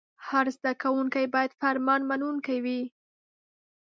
هر زده کوونکی باید فرمان منونکی وای.